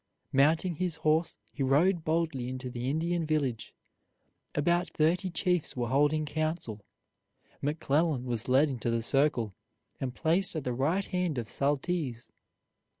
Mounting his horse, he rode boldly into the Indian village. About thirty chiefs were holding council. McClellan was led into the circle, and placed at the right hand of Saltese.